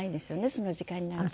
その時間になると。